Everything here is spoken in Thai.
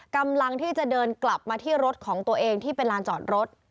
กำลังที่จะเดินกลับมาที่รถของตัวเองที่เป็นลานจอดรถ